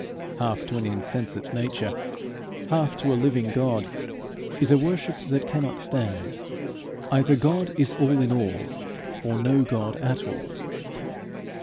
Half to an insensate nature, half to a living God, is a worship that cannot stand. God is all in all, or no God at all.